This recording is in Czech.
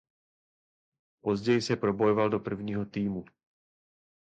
Později se probojoval do prvního týmu.